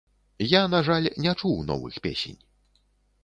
Я, на жаль, не чуў новых песень.